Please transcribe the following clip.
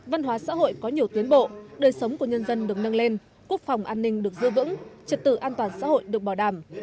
văn hóa xã hội có nhiều tiến bộ đời sống của nhân dân được nâng lên quốc phòng an ninh được giữ vững trật tự an toàn xã hội được bảo đảm